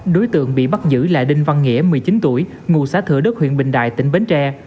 đối tượng bị bắt giữ là đinh văn nghĩa một mươi chín tuổi ngụ xã thừa đức huyện bình đại tỉnh bến tre